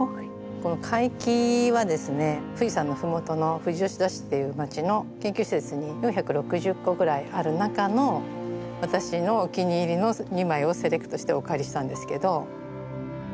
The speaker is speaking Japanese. この甲斐絹は富士山の麓の富士吉田市っていう町の研究施設に４６０個ぐらいある中の私のお気に入りの２枚をセレクトしてお借りしたんですけど。